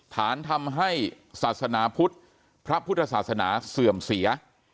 ฐานทำให้ศาสนาพุทธพระพุทธศาสนาเสื่อมเสีย